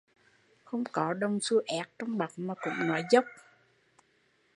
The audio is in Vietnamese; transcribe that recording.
Không có đồng xu éc trong bọc mà cũng nói dốc